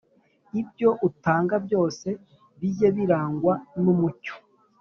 Ibyo utanga byose bijye birangwa n’umucyo,